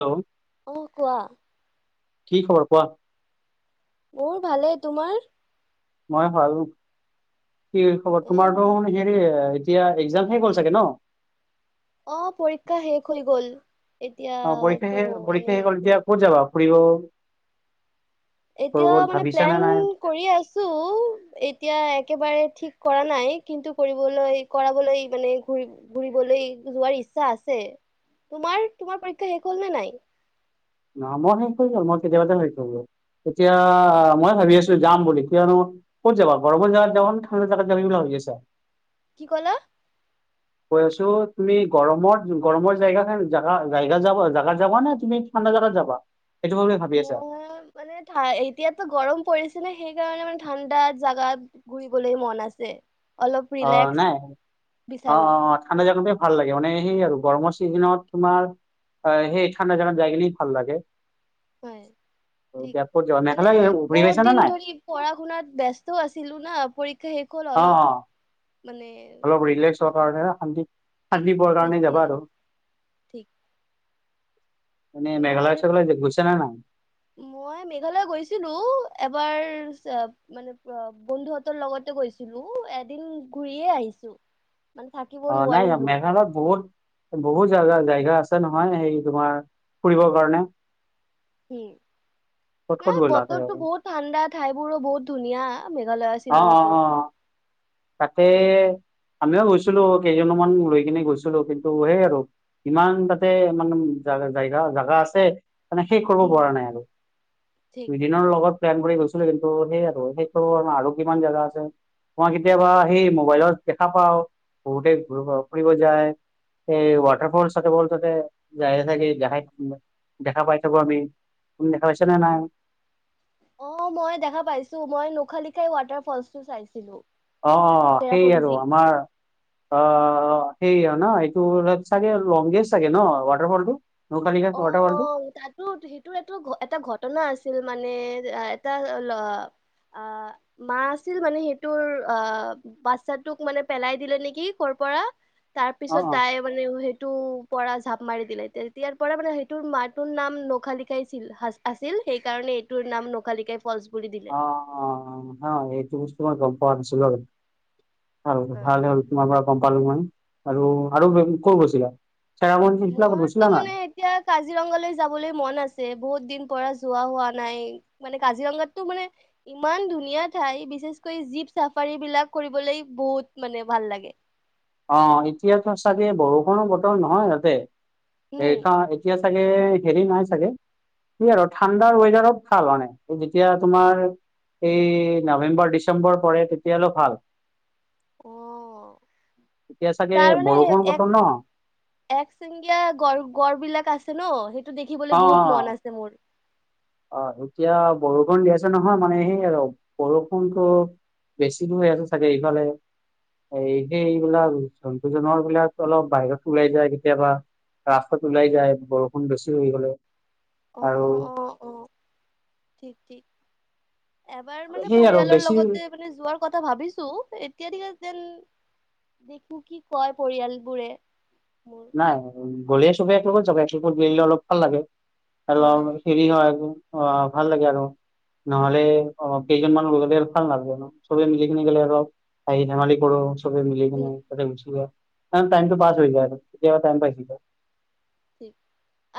Hello অহ কোৱা কি খবৰ কোৱা মোৰ ভালেই তোমাৰ মই ভালো কি খবৰ উম তোমাৰতো হেৰি এতিয়া এক্জামহে গ'ল চাগে ন অ পৰীক্ষা শেষ হৈ গল অ এতিয়াতো পৰীক্ষা পৰীক্ষা এনেই আহ গ'ল আছো এতিয়া ক'ত যাবা ফুৰিব এতিয়া ক'ৰবাত মানে ভাবিছা নে প্লেন নাই? কৰি আছো এতিয়া একেবাৰে ঠিক কৰা নাই কিন্তু কৰিবলৈ কৰাবলৈ মানে ঘৰি ঘূৰিবলৈ যোৱাৰ ইচ্ছা আছে তোমাৰ তোমাৰ পৰীক্ষা শেষ হল নে নাই ন মই স কৰি আৰু মই কেতি দেৱাতে হৈেই তেতিয়া মই ভাবি আছো যাম বুলি কিয়নো ক'ত যাবা গৰমৰ জাগগাত যাব ঠাণ্ডা জাগগাত যাবি বুলি ভাবিছো কিছা কি কলা [inaudible] কৈ আছো তুমি গৰমৰ গৰমৰ জেগা জগা জগা যাব জোগা যাব নে তুমি ম নাজাৰত যাবা সেইটো বুলি ভাবি আছা? মই মানে এতিয়ো গৰম পৰিছে নে সেইকাৰণে মানে ঠাণ্ডা জাগাত ঘূৰিবলৈ মন আছে অলপ অ ৰিলেক্স নাই অ বিচাৰো অ অ ঠাণ্ডা জগনতে ভাল লাগে মানে সেই আৰু গৰমৰ চিজনত তোমাৰ সেই ঠাণ্ডা জা যায় কিিনি ভাল লাগে হয় ঠিক বাপ মানে বহুত দিন ধৰি পঢ়া শুনাত ব ব্যস্তও আছিলো না পৰীক্ষা শ কল অ অ অলপ মানে অলপ ৰিলেক্স হোৱাৰ কাৰণে শান্তি শান্তি পোৱাৰ কাৰণে এতিয়া যাবা আৰু ঠিক এনে মেঘালয় মই চেঘালয় গৈছা নে নাই মই মেঘালয় গৈছিলো এবাৰ মানে বন্ধুহঁতৰ লগতে গৈছিলো, এদিন ঘূৰিয়ে আহিছো। মানে থাকিব অ', নাই নোৱাৰিলো মেঘালয়ত বহুত বহুত জাগা আ জেগা আছে নহয়, সেই তোমাৰ ফুৰিবৰ কাৰণে। উম, ক'ত ক'ত গ'লা বতৰটো বহুত ঠাণ্ডা, ঠাই বোৰো বহুত ধুনীয়া। ভালে অ আছিল লং অ তটো অ [unintelligible] তাতে আমিও গৈছিলো, কেইজনমান লৈ কিনে গৈছিলো, কিন্তু সেই আৰু ইমান তাতে মানে জেগা, জেগা আছে, মানে শেষ কৰিব উম পৰা নাই আৰু ঠিক দুইদিনৰ লগত প্লেন কৰি গৈছিলো, কিন্তু সেই আৰু সেইটো আৰু কিমান জেগা আছে ম কেতিয়াবা সেই মোবাইলত দেখা পাওঁ, বহুতে ফুৰিব যায়। এই ৱাটাৰ ফল সুৱাটাৰ ফল ততে যায়ে থাকে, দেখাই দেখা পাই থাকো আমি। তুমি দেখা পাইছা নে নাই? অ', মই দেখা পাইছো, মই নোখালিখাই ৱাটাৰ ফলচটো চাইছিলো। অ', অ', সেই আৰু চেৰাপুঞ্জী আমাৰ অ' সেইয়া ন' এইটো চাগে লংগেষ্ট চাগে ন' ৱাটাৰফল টো? অ', অ', তাতো সেইটোৰ এটো এটা ঘটনা আছে। ছিল মানে এটা ল অ', মা আছিল মানে সেইটোৰ অ', বাচ্ছাটোক মানে পেলাই দিলে নেকি, কৰ পৰা, তাৰ অ পিছত তাই মানে সেইটো পৰা জাপ মাৰি দিলে, তেতি পৰা মানে সেইটোৰ মাটোৰ নাম নখালিকাই আছিল, আছিল সেইকাৰণে এইটোৰ নাম নখালিকাই ফলচ বুলি দিলে। অ', হা, এইটো বস্তু মই গম পোৱা নাছিলো। বাৰু ভাল হ'ল, তোমাৰ পৰা গম পালো মই আৰু আৰু ক'ত গৈছিলা? চেৰাপুঞ্জী সেইফালে ক'ত মোৰতো গৈছিলা নাই? মানে এতিয়া কাজিৰঙালৈ যাবলৈ মন আছে, বহুত দিন পৰা যোৱা হোৱা নাই, মানে কাজিৰঙাতো মানে ইমান ধুনীয়া ঠাই বিশেষকৈ জীৱ চাফ বিলাক কৰিবলৈ বহুত মানে ভাল লাগে। অ', এতিয়াতো চাগে বৰষুণৰ বতৰ নহয় ইহঁতে উম। এই এতিয়া চাগে হেৰি নাই চাগে কি আৰু ঠাণ্ডাৰ ৱেডাৰত ভাল মানে, যেতিয়া তোমাৰ এই নৱেম্বৰ, ডিচেম্বৰ পৰে তেতিয়া হ'লে ভাল। অ'। এতিয়া চাগে বৰষুণ বতৰ ন'। এক চিংগীয়া গড় গড় বিলাক আছে ন' সেই দেখিবলৈ অ অ বহুত মন আছে মোৰ। অ', এতিয়া বৰষুণ দি আছে নহয় মানে সেই আৰু বৰষুণটো বেছি দূৰ হৈ আছে চাগে ইফালে এই সেই এইবিলাক জন্তু জনৱাৰ বিলাক অলপ বাহিৰত ওলাই যায় কেতিয়াবা। ৰাস্তাত ওলাই যায়, বৰষুণ বেছি হৈ গলে আৰু তেিতিি [unintelligible] এবাৰ মানে সেই আৰু পৰিয়ালৰ বেছি লগতে মানে যোৱাৰ কথা ভাবিছো, এতিয়া দেখো কি কয় পৰিয়ালবোৰে মোৰ। নাই গ'লে চবে এক লগত যাবা, এক লগত গ'লে অলপ ভাল লাগে। হ, হয় হেৰি হয় অ', ভাল লাগে আৰু নহ'লে অ', কেইজন মানুহ গ'লে আৰু ভাল লাগে, চবেই মিলি কিনে গেলে আৰু হাঁহি ধেমালি কৰো। সবে মিলি ঠিক। কিনে গুচি যায়, টাইমটো পাছ হৈ যায় টাইম পাছ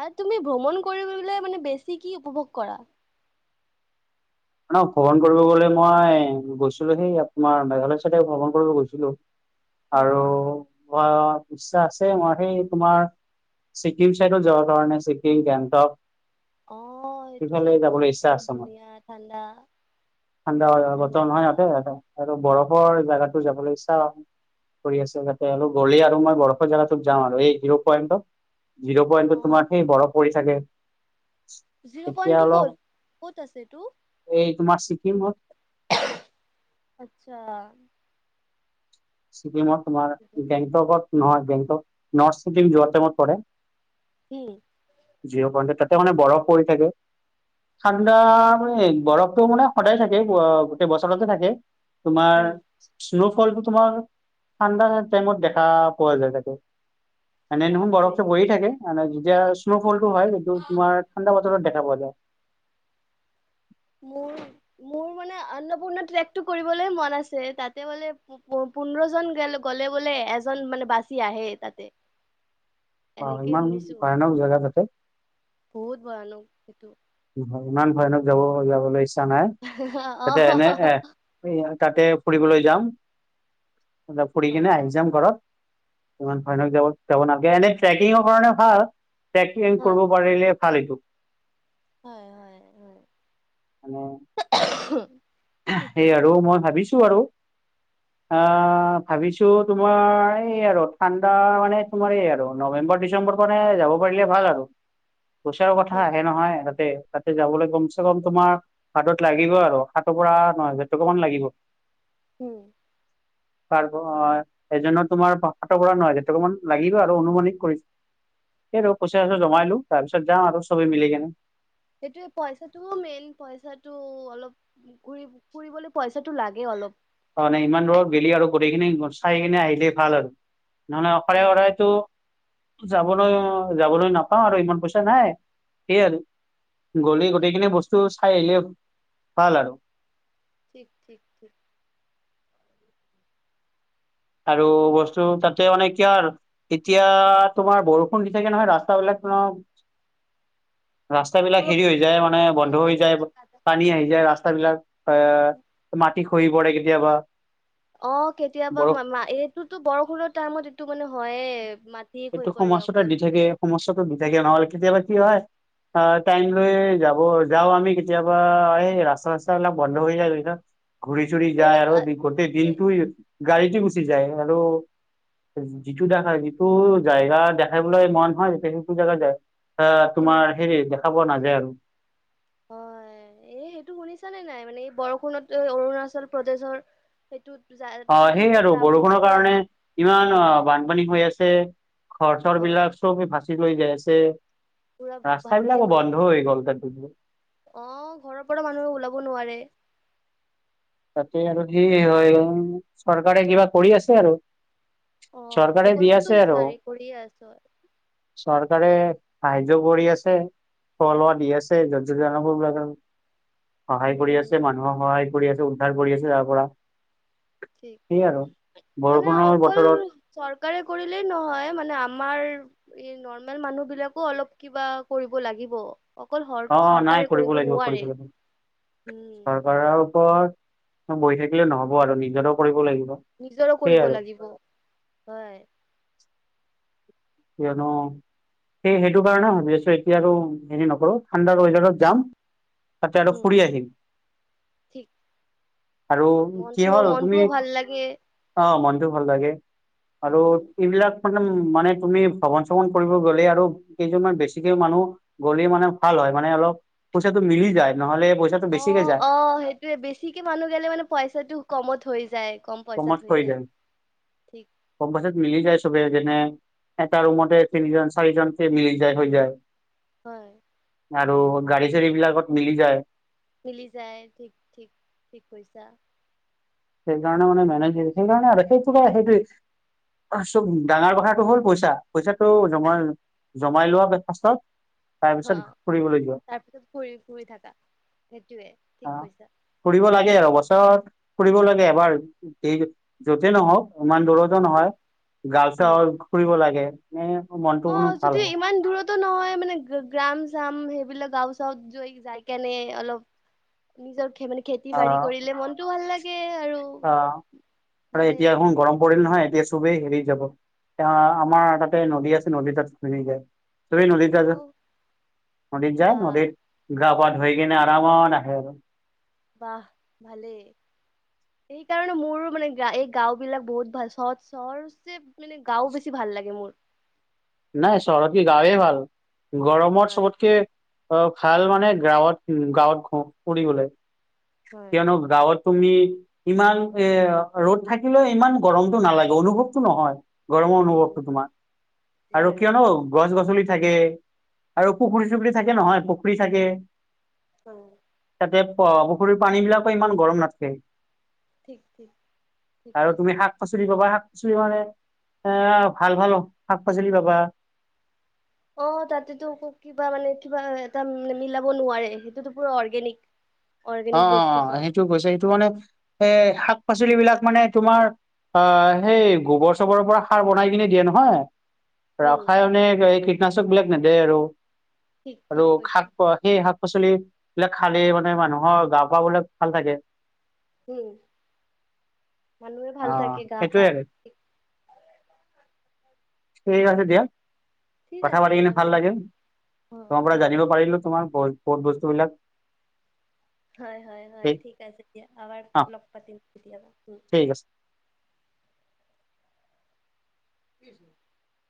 আৰু তুমি ভ্ৰমণ কৰিব গ'লে মানে বেছি কি উপভোগ কৰা? মানে ভ্ৰমণ কৰিব গ'লে মই গৈছিলো সেই আপোনাৰ মেঘালয় চাইডে ভ্ৰমণ কৰিব গৈছিলো। উম, আৰু ম ইচ্ছা আছে মই সেই তোমাৰ ছিকিম চাইডত যাব কা, ছিকিম, গেংটক অ', সেইটো সেইফালে চাইডটো যাবলৈ ইচ্ছা বহুত আছে মোৰ ধুনীয়া। ঠাণ্ডা ঠাণ্ডা হয় বতৰ ন' ইয়াতে ইতে আৰু বৰফৰ জেগাত যাবলৈ ইচ্ছা কৰি আছে তাতে আৰু গ'লেই আৰু মই বৰফৰ জেগাটোোক যাম আৰু এই জিৰ' পইণ্টত জিৰ' অ পইণ্টত তোমাৰ সেই বৰফ পৰি থাকে জিৰ' এতিয়া পইণ্ট টো অলপ ক'ত ক'ত আছে এটো এই তোমাৰ ছিকিমত আচ্ছা ছিকিকিমত তোমাৰ গেংটকত নহয় গেংটক নৰ্থ ছিকিম যোৱা টাইমত পৰে উম জিৰৌ পইণ্টত তাতে মানে বৰফ পৰি থাকে অ ঠাণ্ডা মানে বৰফ টো মানে সদায় থাকে গোটেই বছৰতে থাকে তোমাৰ উম স্ন' ফলটো তোমাৰ ঠাণ্ডা টাইমত দেখা পোৱা যায় তাতে এনে নহয় বৰফ বাপৰে বয় থাকে যেতিয়া স্নোফল টো হয় যিটো তোমাৰ ঠাণ্ডা বতৰত দেখা পোৱা যায় মোৰ মোৰ মানে অন্নপূৰ্ণ ট্ৰেকটো কৰিবলৈ মন আছে তাতে ফুলে পোন্ধৰ জন গ'লে বোলে এজন মানে বাচি আহে তাতে অ এনেকেই ইমান শুনিছো ভয়ানক জেগা তাতে বহুত ভয়ানক সেইটো ইমান ভয়ানক যাব যাবলৈ ইচ্ছা নাই তাতে এনে এ অ অ তাতে ফুৰিবলৈ যাম ফুৰি কিনে আহি যাম ঘৰত ইমান ভয়ানক যাব যাব নালাগে এনে ট্ৰেকিঙৰ কাৰণে ভাল পেকিং হয় কৰিব পাৰিলে ভালটো হয় হয় হয় মানে ঠিক সেইয়ে কৈছা আৰু মই ভাবিছোঁ আৰু আ ভাবিছোঁ তোমাৰ এই আৰু ঠাণ্ডা মানে তোমাৰ এই আৰু নৱেম্বৰ ডিচেম্বৰ পৰাই যাব পাৰিলে ভাল আৰু পইচা কথা ঠিক আহে নহয় তাতে তাতে যাবলৈ কমচে কম তোমাৰ হাতত লাগিব আৰু সাতৰ পৰা ন হেজাৰ টকা মান লাগিব উম তাৰ অ এজনৰ তোমাৰ সাত হাজাৰ টকাৰ পৰা ন হেজাৰ টকামান লাগিব আৰু অনুমানিক কৰিছোঁ সেই ৰ পইচা জমাই লো তাৰ পিছত যাম আৰু চবেই মিলি কেনে সেইটোয়ে পইচাটোও মেইন পইচাটো অলপ ঘুৰি ফুৰিবলৈ পইচাটো লাগে অলপ হয়নে ইমান দূৰত গেলি আৰু গোটেইখিনি চাই কিনে আহিলেই ভাল আৰু নহ'লে অশাৰে হয় অৰাৰেতো যাবলৈ অ যাবলৈ নাপাওঁ আৰু ইমান পইচা নাই সেই আৰু গ'লে ঠিক গোটেইখিনি বস্তু চাই আহিলে ভাল আৰু ঠিক ঠিক ঠিক আৰু বস্তু তাতে মানে কিয় আৰু এতিয়া তোমাৰ বৰষুণ দি থাকে নহয় ৰাস্তা বিলাক [inaudible] ৰাস্তা বিলাক পুৰ হেৰি হৈ যায় মানে বন্ধ কেঁচা হৈ যায় কেঁচা কাজা পানী হয় আহি যায় হয় ৰাস্তা বিলাক এ মাটি খহি পৰে কিন্তু অ বৰফ কেতিয়াবা এইটোতো বৰষুণৰ টাইমত এইটো মানে হয় এইটো সমস্যাটো দি থাকে সমস্যাটো দি থাকে নহ'লে কেতিয়াবা কি হয় অ টাইম লৈ যাব যাওঁ আমি কেতিয়াবা এই ৰাস্তা চাস্তাবিলাক বন্ধ হৈ যায় ঘূৰি চুৰি অ যায় আৰু আ, গোটেই এ দিনটো গাড়ীতে গুচি যায় আৰু যিটো দেখা টো জেগা দেখাবলৈ মন হয় যে সেইটো জেগা য এ তোমাৰ উম হেৰি দেখা পোৱা নাযায় নাযায় আৰু এ সেইটো শুনিছ নে নাই মানে এই বৰষুণত অৰুণাচল প্ৰদেশৰ সেইটোত অ সেইয় আৰু বৰষুণৰ কাৰণে ইমান হয় আহ বানপানী হৈ আছে ঘৰচৰ হয় বিলাক চবি ভাচি লৈ যাই আছে পুৰা ৰাস্তা ভাচিয়ে বিলাকো গৈছে বন্ধ হৈ গ'ল তাত দু অ', ঘৰৰ পৰা মানুহে ওলাব নোৱাৰে তাতে আৰু কি হয় চৰকাৰে কিবা কৰি আছে আৰু অ' চৰকাৰে দি প্ৰকল্পটো আছে আৰু জাৰি কৰিয়ে আছ। [unintelligible] সাহায্য কৰি আছে, খোৱা লোৱা দি আছে [unintelligible] সহায় কৰি আছে, উম, মানুহক সহায় কৰি আছে, উদ্ধাৰ কৰি আছে তাৰ পৰা। ঠিক। সেই আৰু। মানে বৰষুণৰ অকল বতৰত চৰকাৰে কৰিলেই নহয়, মানে আমাৰ এই নৰ্মেল মানুহ বিলাকো অলপ কিবা কৰিব লাগিব। অকল হৰ অ' চৰকাৰে নাই কৰিব লাগিব নোৱাৰে, কৰিব লাগিব, উম, চৰকাৰৰ ওপৰত বহি থাকিলে ন'হব আৰু নিজৰও কৰিব লাগিব। নিজৰো সেই কৰিব আৰু লাগিব, হয়। কিয়নো সেই সেইটো কাৰণে সুধি আছো, এতিয়া আৰু হেৰি নকৰো ঠাণ্ডাৰ ৱেদাৰত যাম। তাতে আৰু উম, ফুৰি আহিম। ঠিক। আৰু, কি মনটো হ'ল? তুমি মনটোও ভাল লাগে, অ' মই ভাল লাগে, আৰু উম। এইবিলাক মানে মানে তুমি ভ্ৰমন চমন কৰিব গ'লে আৰু কেইজনমান বেছিকে মানুহ গ'লে মানে ভাল হয়, মানে অলপ পইচাটো মিলি যায়, নহ'লে পইচাটো বেছিকে অ' যায় অ' সেইটোয়ে, বেছিকে মানুহ গেলে মানে পইচাটো কমত হৈ যায়। কম পইচাত কমত হৈ হয় যায়, ঠিক, কম পইছাত মিলি যায় যেনে, এটা ৰুমতে তিনিজন চাৰিজন কে মিলি যায়, হৈ যায়। হয়। আৰু গাড়ী চাড়ী বিলাকত মিলি যায়। মিলি যায় ঠিক ঠিক ঠিক কৈছা। সেইকাৰণে মানে মেনেজ সেই সেইকাৰণে আৰু সেইটো সেইটোৱে। চব ডাঙৰ কথাটো হ'ল পইচা, পইচাটো জমাই জমাই লোৱা পাছত অ' তাৰপিছত ফুৰি ফুৰি থাকা। সেইটোয়ে ঠিক অ' কৈছা ফুৰিব লাগে আৰু [unintelligible] অত ফুৰিব লাগে এবাৰ, এই য'তে নহওক ইমান দূৰতো নহয়, উম গাওচাৱত ফুৰিব লাগে। এ মনটো কোনো অ' ভাল যদি হয় ইমান দূৰতো নহয় মানে, গ্ৰাম চাম সেইবিলাক গাও চত যাই কেনে অলপ নিজৰ খে মানে খেতি বাাৰি কৰিলে মনতো ভাল লাগে আৰু অ' আৰু ভালে এতিয়া এখন গৰম পৰিল নহয়। এ চবেই হেৰি যাব এ আমাৰ তাতে নদী আছে নদী তাত [unintelligible] যায়। তুমি অ নদীত য য নদীত যায় বাহ নদীত। গা পা ধই কিনে আৰামত আহে। বাহ ভালেই। সেই কাৰণে মোৰো মানে গ এই গাও বিলাক বহুত ভাল, চহৰ চহৰচে মানে গাঁও বেছি ভাল লাগে মোৰ। নাই চহৰতকে গাঁৱে ভাল। গৰমত হয় চবতকে অ' ভাল মানে গ্ৰাৱত গাঁৱত ঘ ফুৰিবলে। হয় কিয়নো গাঁৱত তুমি ইমান এ ৰ'দ থাকিলেও ইমান গৰমটো নালাগে, অনুভৱটো নহয়। গৰমো উম অনুভৱটো তোমাৰ, আৰু হয় কিয়নো গছ গছনি থাকে, আৰু পুখুৰী চুখুৰী থাকে নহয়, পুখুৰী থাকে। [unintelligible] তে প পুখুৰীৰ পানী বিলাকো ইমান গৰম নাথাকে। ঠিক ঠিক ঠিক আৰু কৈছা তুমি শাক পাচলি পাবা, শাক চলি মানে এ ভাল ভাল শাক পাচলি পাবা। অ' তাতেতো কিবা মানে কিবা এটা মিলাব নোৱাৰে, সেইটোতো পুৰা অৰ্গেনিক। অৰ্গেনিক অ', অ', বস্তু অ' চব সেইটো গৈছে সেইটো মানে এ সাত পাচলি বিলাক মানে তোমাৰ, আ সেই গোবৰ চোবৰৰ পৰা সাৰ বনাই কিনে দিয়ে নহয়। উম ৰাসায়নিক এই কীটনাশক বিলাক নেদে আৰু। ঠিক আৰু ঠিক শাক কৈছা সেই শাক পাচলি বিলাক খালেই মানে মানুহ অ' গা পা বোলে ভাল থাকে। উম। মানুহে ভাল অ থাকে গা পা। সেইটোয়ে আৰু ঠিক আছে দিয়া। ঠিক কথা আছে পাতি দিয়া কিনে ভাল বাৰু লাগিলে, অ তোমাৰ পৰা হয় জানিব পাৰিলো তোমাৰ ব ক'ত বস্তুবিলাক হয়, হয়, হয়, ঠিক আছে দিয়া [unintelligible] অ লগ পাতিম কেতিয়াবা। উম ঠিক আছে। [unintelligible]